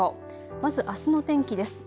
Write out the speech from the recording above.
まずあすの天気です。